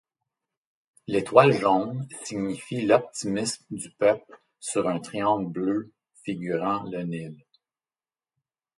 L'étoile jaune signifie l'optimisme du peuple sur un triangle bleu figurant le Nil.